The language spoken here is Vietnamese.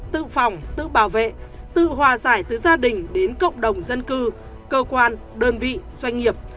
tự phòng tự bảo vệ tự hòa giải từ gia đình đến cộng đồng dân cư cơ quan đơn vị doanh nghiệp